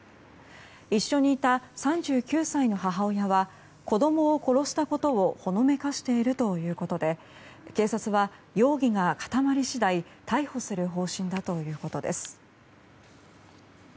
一緒にいた３９歳の母親は子供を殺したことをほのめかしているということで警察は容疑が固まり次第逮捕する方針だということです。